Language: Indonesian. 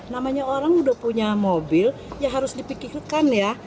namanya orang udah punya mobil ya harus dipikirkan ya